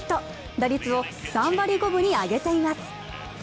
打率を３割５分に上げています。